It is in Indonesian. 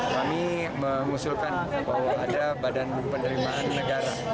kami mengusulkan bahwa ada badan penerimaan negara